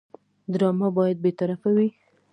ډرامه باید بېطرفه وي